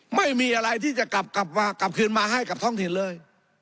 ไม่มีอะไรที่จะกลับกลับมากลับคืนมาให้กับท่องถิ่นเลย